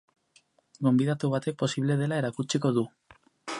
Gonbidatu batek posible dela erakutsiko du.